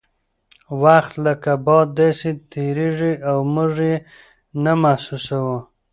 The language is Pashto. وخت لکه باد داسې تیریږي او موږ یې نه محسوسوو.